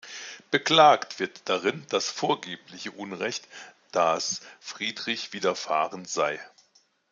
Beklagt wird darin das vorgebliche Unrecht, das Friedrich widerfahren sei.